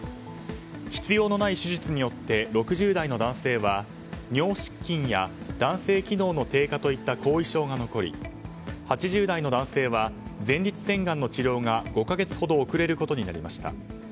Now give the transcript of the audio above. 必要のない手術によって６０代の男性は尿失禁や男性機能の低下といった後遺症が残り８０代の男性は前立腺がんの治療が５か月ほど遅れることになりました。